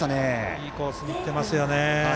いいコースいってますよね。